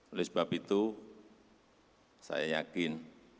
oleh sebab itu saya yakin